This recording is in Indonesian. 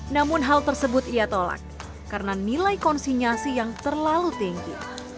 namun hal tersebut ia tolak karena nilai konsinyasi yang terlalu tinggi